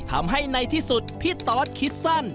ทำให้ในที่สุดพี่ตอสคิดสั้น